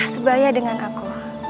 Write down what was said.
sebaya dengan aku